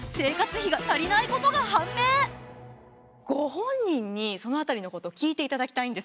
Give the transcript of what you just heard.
ご本人にその辺りのこと聞いていただきたいんです。